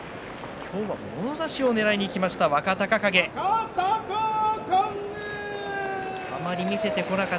今日はもろ差しをねらいにいきました、若隆景です。